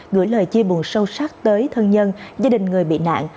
gửi lời chia buồn sâu sắc tới thân nhân gia đình người bị nạn